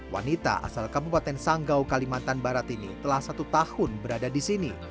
wanita asal kabupaten sanggau kalimantan barat ini telah satu tahun berada di sini